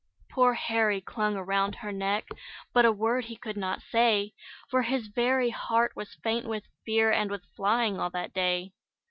Poor Harry clung around her neck, But a word he could not say, For his very heart was faint with fear, And with flying all that day.